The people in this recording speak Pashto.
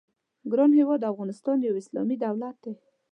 ګران هېواد افغانستان یو اسلامي دولت دی.